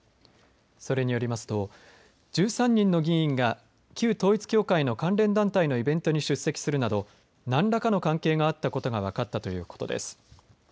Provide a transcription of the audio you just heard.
それによりますと１３人の議員が旧統一教会の関連団体のイベントに出席するなど何らかの関係があったことが分かったということです。